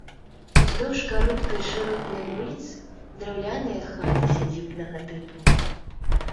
Уздоўж кароткай шыротнай вуліцы драўляныя хаты сядзібнага тыпу.